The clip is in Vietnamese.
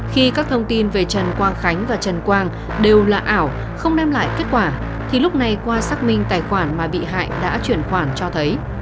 khi các thông tin về trần quang khánh và trần quang đều là ảo không đem lại kết quả thì lúc này qua xác minh tài khoản mà bị hại đã chuyển khoản cho thấy